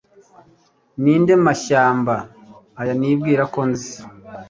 Ninde mashyamba aya nibwira ko nzi